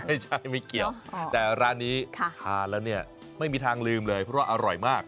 ไม่ใช่ไม่เกี่ยวแต่ร้านนี้ทานแล้วเนี่ยไม่มีทางลืมเลยเพราะว่าอร่อยมาก